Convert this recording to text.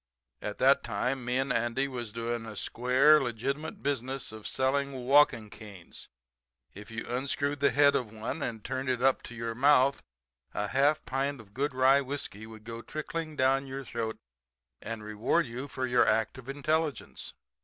At that time me and Andy was doing a square, legitimate business of selling walking canes. If you unscrewed the head of one and turned it up to your mouth a half pint of good rye whiskey would go trickling down your throat to reward you for your act of intelligence.